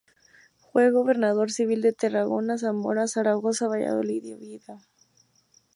Fue Gobernador Civil de Tarragona, Zamora, Zaragoza, Valladolid y Oviedo.